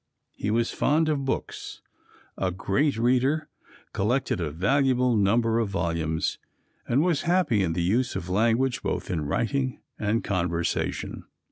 He was fond of books, a great reader, collected a valuable number of volumes, and was happy in the use of language both in writing and conversation.